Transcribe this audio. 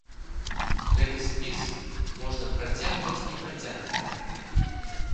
Гэты спіс можна працягваць і працягваць.